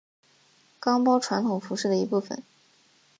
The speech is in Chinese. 岗包传统服饰的一部分。